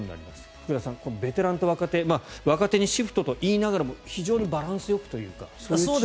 福田さん、ベテランと若手若手にシフトといいながらもバランスよくというか。